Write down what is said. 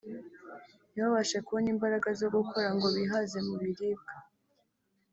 ntibabashe kubona imbaraga zo gukora ngo bihaze mu biribwa